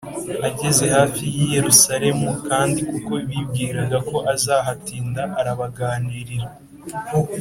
ageze hafi y i Yerusalemu kandi kuko bibwiraga ko azahatinda arabaganirira